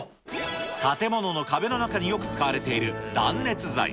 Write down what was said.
建物の壁の中によく使われている断熱材。